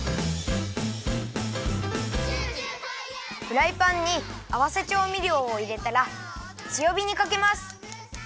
フライパンにあわせちょうみりょうをいれたらつよびにかけます。